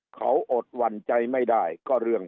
เขาอดหวั่นใจไม่ได้ก็เรื่อง